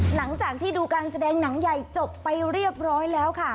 หลังจากที่ดูการแสดงหนังใหญ่จบไปเรียบร้อยแล้วค่ะ